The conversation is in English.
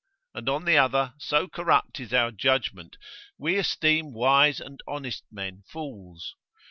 And on the other, so corrupt is our judgment, we esteem wise and honest men fools.